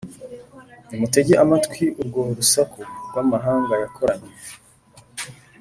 Nimutege amatwi urwo rusaku rw’amahanga yakoranye: